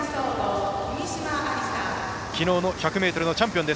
きのうの１００ｍのチャンピオン。